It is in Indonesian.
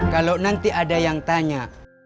kalau nanti ada yang tanya